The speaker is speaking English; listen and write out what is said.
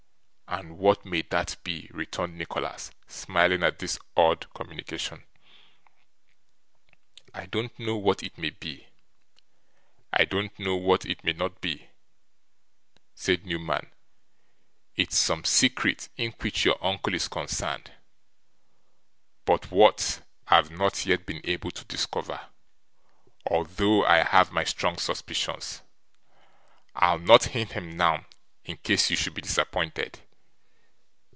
'And what may that be?' returned Nicholas, smiling at this odd communication. 'I don't know what it may be, I don't know what it may not be,' said Newman; 'it's some secret in which your uncle is concerned, but what, I've not yet been able to discover, although I have my strong suspicions. I'll not hint 'em now, in case you should be disappointed.